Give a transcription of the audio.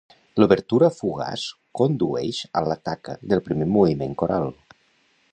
L'obertura fugaç condueix a l'attacca del primer moviment coral.